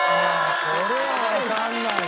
これはわかんないわ。